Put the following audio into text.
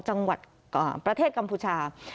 จังหวัดประเทศกัมพูชา